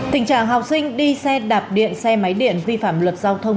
tình trạng học sinh đi xe đạp điện xe máy điện vi phạm luật giao thông